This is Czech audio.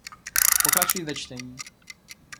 Pokračuj ve čtení.